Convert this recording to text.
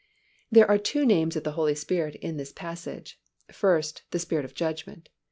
There are two names of the Holy Spirit in this passage; first, the Spirit of judgment.